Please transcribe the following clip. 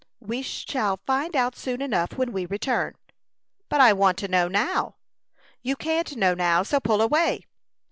"We shall find out soon enough when we return." "But I want to know now." "You can't know now; so pull away."